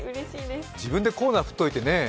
自分でコーナー振っといてね